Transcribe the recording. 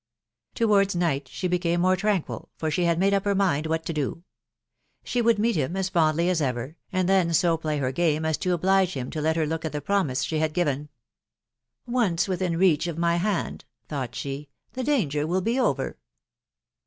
Towards night she became more tranquil, for she had made up her mind what to do. ... She would meet him as fondly as ever, and then so play her game as to oblige him to let her look at the promise she had given. " Once within reach of my hand," thought she, " the danger will be over."